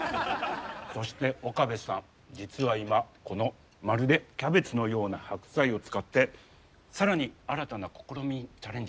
そして岡部さん実は今この「まるでキャベツのような白菜」を使ってさらに新たな試みにチャレンジしてるそうですね。